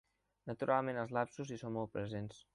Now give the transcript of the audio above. Naturalment, els lapsus hi són molt presents.